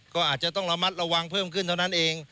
ก็อาจจะต้องระมัดระวังเพิ่มขึ้นเท่านั้นเอง